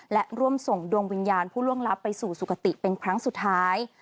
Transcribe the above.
และร่วมส่งดวงวิญญาณผู้ล่วงลับไปสู่สุขติเป็นครั้งสุดท้าย